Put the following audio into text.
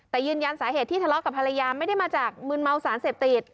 แต่ยืนยันสาเหตุที่ทะเลาะกับภรรยาไม่ได้มาจากมืนเมาสารเสพติด